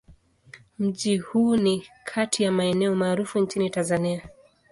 Mji huu ni kati ya maeneo maarufu nchini Tanzania.